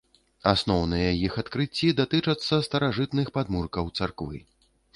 Асноўныя іх адкрыцці датычацца старажытных падмуркаў царквы.